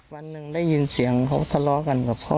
วันหนึ่งได้ยินเสียงเขาทะเลาะกันกับพ่อ